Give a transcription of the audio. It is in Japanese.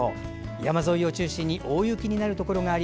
山沿いを中心に大雪になるところがあり